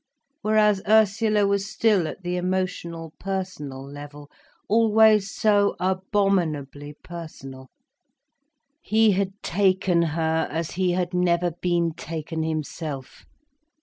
Whereas Ursula was still at the emotional personal level—always so abominably personal. He had taken her as he had never been taken himself.